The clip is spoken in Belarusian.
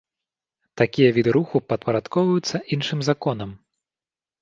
Такія віды руху падпарадкоўваюцца іншым законам.